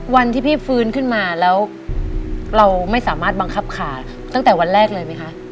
วันที่พี่ฟื้นขึ้นมาแล้วเราไม่สามารถบังคับขาดตั้งแต่วันแรกเลยไหมคะ